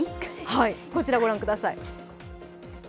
こちらご覧ください。